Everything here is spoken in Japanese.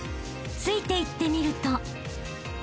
［ついていってみると］